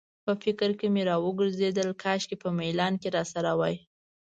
په فکر کې مې راوګرځېدل، کاشکې په میلان کې راسره وای.